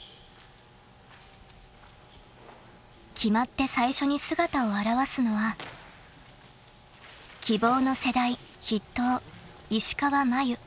［決まって最初に姿を現すのは希望の世代筆頭］